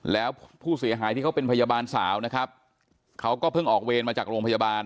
แล้วผู้เสียหายที่เขาเป็นพยาบาลสาวนะครับเขาก็เพิ่งออกเวรมาจากโรงพยาบาล